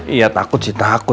iya takut sih takut